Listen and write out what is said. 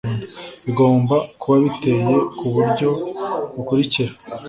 Bigomba kuba biteye ku buryo bukurikira